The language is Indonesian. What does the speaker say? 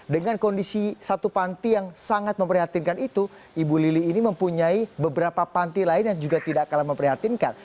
dengan kondisi satu panti yang sangat memprihatinkan itu ibu lili ini mempunyai beberapa panti lain yang juga tidak kalah memprihatinkan